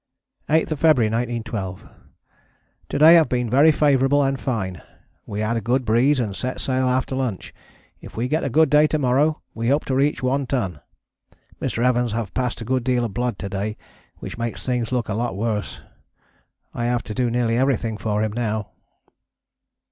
8th February 1912. To day have been very favourable and fine, we had a good breeze and set sail after lunch. If we get a good day to morrow we hope to reach One Ton. Mr. Evans have passed a good deal of blood to day, which makes things look a lot worse. I have to do nearly everything for him now.